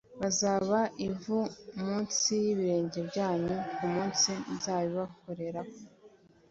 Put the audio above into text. bazaba ivu munsi y’ibirenge byanyu ku munsi nzabikoreraho